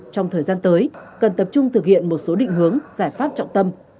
trong thời gian tới cần tập trung thực hiện một số định hướng giải pháp trọng tâm